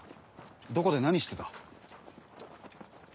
どこで何してた？